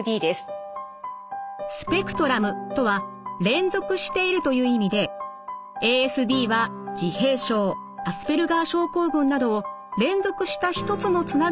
スペクトラムとは連続しているという意味でＡＳＤは自閉症アスペルガー症候群などを連続した一つのつながりとして捉えます。